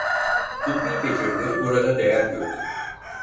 Tıbbi becerileri burada değer gördü.